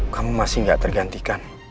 kamu masih gak tergantikan